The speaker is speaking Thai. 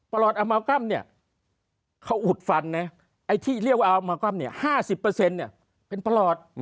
ปลอดอัมเมลกรรมเนี่ยเขาอุดฟันเนี่ยไอ้ที่เรียกว่าอัมเมลกรรมเนี่ยห้าสิบเปอร์เซ็นต์เนี่ยเป็นปลอด